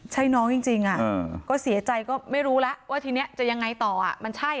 ใช้น้องจริงจริงอ่ะก็เสียใจก็ไม่รู้ละว่าทีเนี้ยจะยังไงต่ออ่ะมันใช้อ่ะ